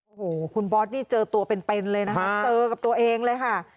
โอ้โหคุณบอสนี่เจอตัวเป็นเลยนะคะเจอกับตัวเองเลยค่ะ